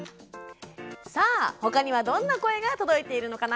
さあ、ほかにはどんな声が届いているのかな？